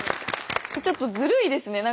ちょっとずるいですね。